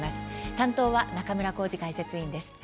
担当は中村幸司解説委員です。